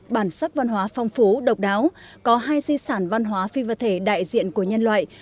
bản sắc văn hóa phong phú độc đáo có hai di sản văn hóa phi vật thể đại diện của nhân loại